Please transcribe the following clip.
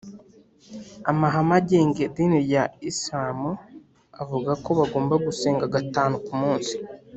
Amahame agenga idini rya islam avugako bagomba gusenga gatanu kumunsi